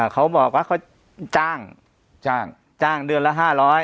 เขาบอกว่าเขาจ้างจ้างเดือนละ๕๐๐